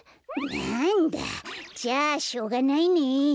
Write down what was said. なんだじゃあしょうがないね。